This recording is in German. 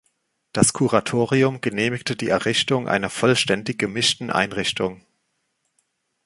Das Kuratorium genehmigte die Errichtung einer vollständig gemischten Einrichtung.